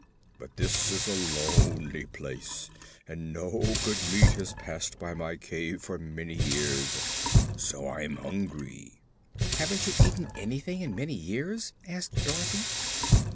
But this is a lonely place, and no good meat has passed by my cave for many years; so I'm hungry." "Haven't you eaten anything in many years?" asked Dorothy.